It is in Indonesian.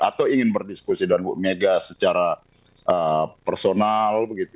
atau ingin berdiskusi dengan bu mega secara personal